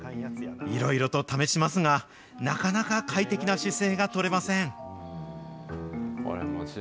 いろいろと試しますが、なかなか快適な姿勢がとれません。